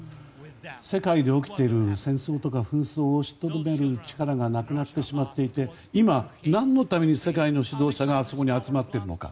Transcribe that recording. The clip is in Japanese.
世界で起きている戦争とか紛争を止める力がなくなってしまっていて今、何のために世界の指導者があそこに集まっているのか。